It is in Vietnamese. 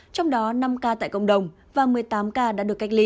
trong đó năm ca tại cộng đồng và một mươi tám ca đã được cách ly